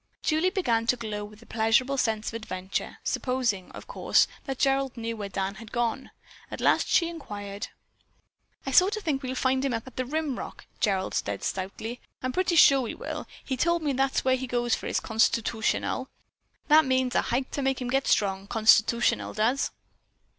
Julie began to glow with the pleasurable sense of adventure, supposing, of course, that Gerald knew where Dan had gone. At last she inquired. "I sort o' think we'll find him up at the rim rock," Gerald said stoutly. "I'm pretty sure we will. He told me that's where he goes for his constitootional. That means a hike to make him get strong, constitootional does."